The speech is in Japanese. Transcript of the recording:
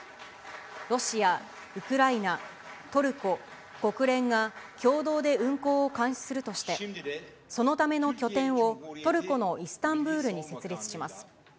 ロシア、ウクライナ、トルコ、国連が共同で運航を監視するとして、そのための拠点を、トルコのイスタンブールに設立します。